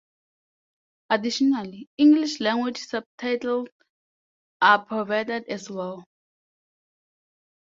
Additionally, English language subtitles are provided as well.